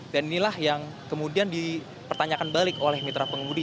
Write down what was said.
dan inilah yang kemudian dipertanyakan balik oleh mitra pengemudi